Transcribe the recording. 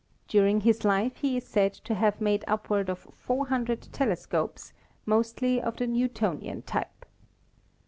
During his life he is said to have made upward of 400 telescopes, mostly of the New tonian type.